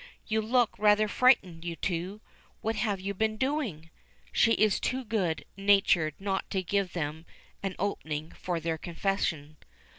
"You look rather frightened you two. What have you been doing?" She is too good natured not to give them an opening for their confession.